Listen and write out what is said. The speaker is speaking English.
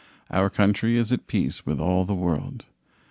Our country is at peace with all the world.